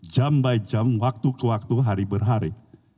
jam by jam waktu ke waktu hari berhari